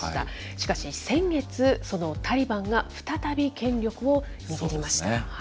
しかし、先月、そのタリバンが再び権力を握りました。